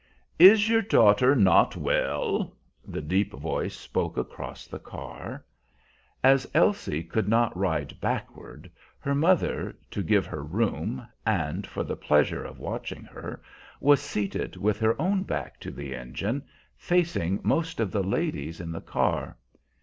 "Is your daughter not well?" the deep voice spoke across the car. As Elsie could not ride backward, her mother, to give her room, and for the pleasure of watching her, was seated with her own back to the engine, facing most of the ladies in the car.